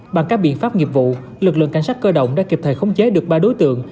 bằng các biện pháp nghiệp vụ lực lượng cảnh sát cơ động đã kịp thời khống chế được ba đối tượng